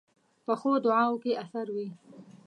پخو دعاوو کې اثر وي